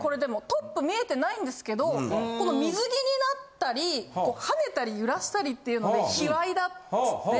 トップ見えてないんですけどこの水着になったりハネたり揺らしたりっていうので卑猥だつって。